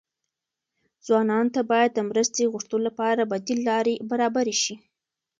ځوانانو ته باید د مرستې غوښتلو لپاره بدیل لارې برابرې شي.